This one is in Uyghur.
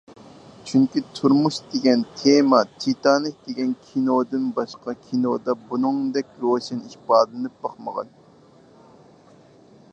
چۈنكى تۇرمۇش دېگەن تېما، تىتانىك دېگەن كىنودىن باشقا كىنودا بۇنىڭدەك روشەن ئىپادىلىنىپ باقمىغان.